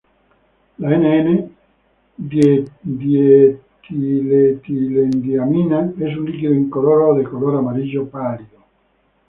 La "N,N"-dietiletilendiamina es un líquido incoloro o de color amarillo pálido.